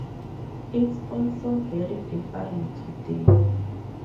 It's all so very different today.